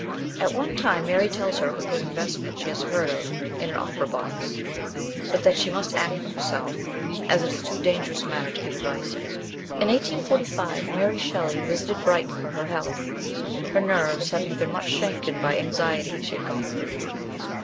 At one time Mary tells her of a good investment she has heard of in an opera box, but that she must act for herself, as it is too dangerous a matter to give advice in. In 1845 Mary Shelley visited Brighton for her health, her nerves having been much shaken by the anxiety she had gone through.